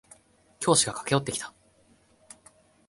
教師が駆け寄ってきた。